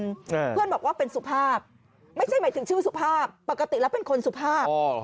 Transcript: เพื่อนบอกว่าเป็นสุภาพไม่ใช่หมายถึงชื่อสุภาพปกติแล้วเป็นคนสุภาพอ๋อ